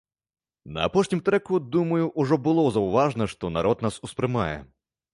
На апошнім трэку, думаю, ўжо было заўважна, што народ нас успрымае.